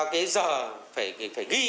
cái giờ phải ghi